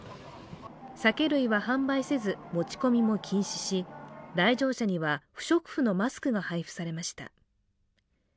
酒類は販売せず、持ち込みも禁止し来場者には不織布のマスクが配布されました。